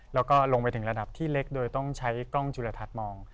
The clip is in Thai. แล้วก็ลงไปถึงระดับที่เล็กโดยต้องใช้กล้องจุลทัศน์มอง